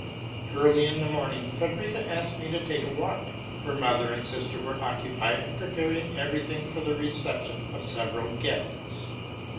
Zarly in the morning Frederica asked me to take a walk. Her mother and sister were occupied in preparing every thing for the reception of several guests.